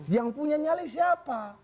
yang punya nyali siapa